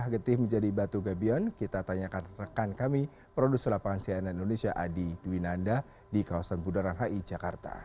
getih menjadi batu gabion kita tanyakan rekan kami produser lapangan cnn indonesia adi dwinanda di kawasan bundaran hi jakarta